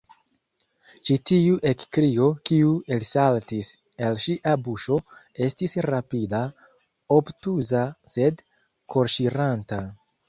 Ĉi tiu ekkrio, kiu elsaltis el ŝia buŝo, estis rapida, obtuza, sed korŝiranta.